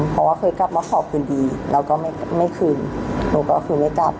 เพราะว่าเคยกลับมาขอคืนดีแล้วก็ไม่คืนหนูก็คือไม่กลับ